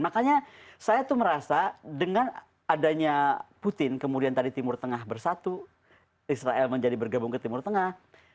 makanya saya tuh merasa dengan adanya putin kemudian tadi timur tengah bersatu israel menjadi bergabung ke timur tengah